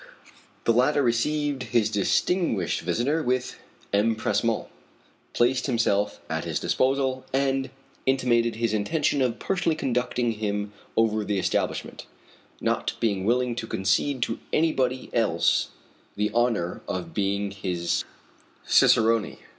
The latter received his distinguished visitor with empressement, placed himself at his disposal, and intimated his intention of personally conducting him over the establishment, not being willing to concede to anybody else the honor of being his cicerone.